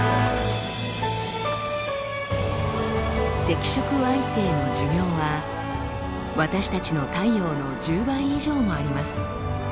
赤色矮星の寿命は私たちの太陽の１０倍以上もあります。